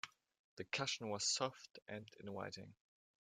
The cushion was soft and inviting.